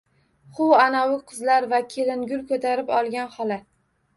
U manavi qizlar va kelingul ko’tarib olgan xola.